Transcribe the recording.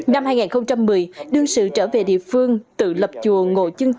năm hai nghìn một mươi đương sự trở về địa phương tự lập chùa ngộ chương trình